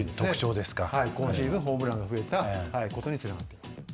はい今シーズンホームランが増えたことにつながっています。